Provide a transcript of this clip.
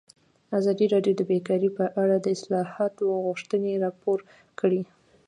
ازادي راډیو د بیکاري په اړه د اصلاحاتو غوښتنې راپور کړې.